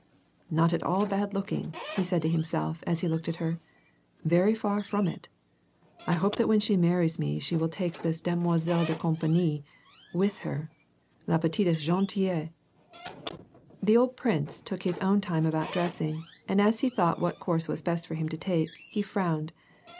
"Not at all bad looking," he said to hinist^lf, as he looked at her ;" very far from it. I hope that when she marries me she will take this demolsellG dc compngnie with her, la petite est geutUle !" The old prince took his own time about dressing, and as he thought what course was best for him to take, he frowned.